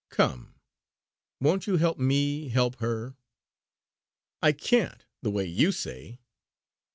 Come, won't you help me help her?" "I can't, the way you say.